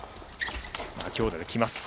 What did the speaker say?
強打できます。